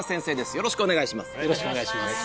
よろしくお願いします